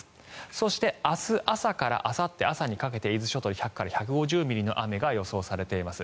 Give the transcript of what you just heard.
そして、明日朝からあさって朝にかけて伊豆諸島で１００から１５０ミリの雨が予想されています。